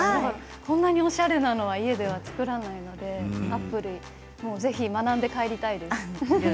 こんなにおしゃれなのは家では作らないので、アップルぜひ学んで帰りたいです。